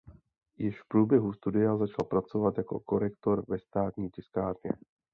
Již v průběhu studia začal pracovat jako korektor ve Státní tiskárně.